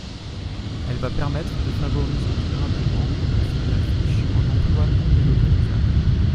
Elle va permettre de favoriser durablement une filière riche en emplois non délocalisables.